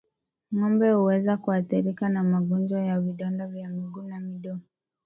Ngombe huweza kuathirika na magonjwa ya vidonda vya miguu na midomo